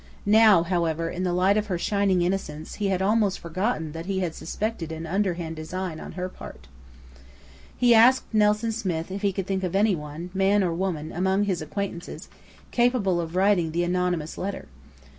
Now, however, in the light of her shining innocence, he had almost forgotten that he had suspected an underhand design on her part. He asked Nelson Smith if he could think of any one, man or woman, among his acquaintances capable of writing the anonymous letter.